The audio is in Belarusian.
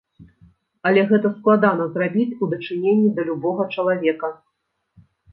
Але гэта складана зрабіць у дачыненні да любога чалавека.